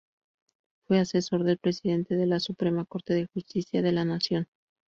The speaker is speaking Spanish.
Fue asesor del Presidente de la Suprema Corte de Justicia de la Nación.